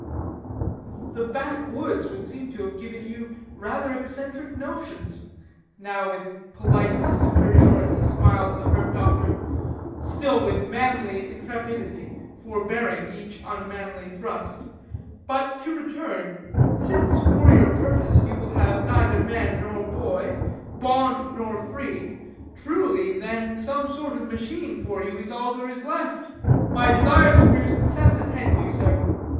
"The back woods would seem to have given you rather eccentric notions," now with polite superiority smiled the herb doctor, still with manly intrepidity forbearing each unmanly thrust, "but to return; since, for your purpose, you will have neither man nor boy, bond nor free, truly, then some sort of machine for you is all there is left. My desires for your success attend you, sir.